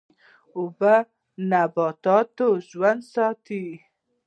اوبه نباتات ژوندی ساتي.